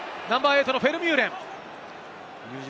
ナンバー８のフェルミューレン。